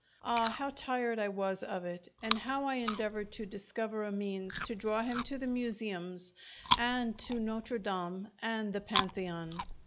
Ah, how tired I was of it, and how I endeavoured to discover a means to draw him to the museums, and to Notre Dame and the Pantheon!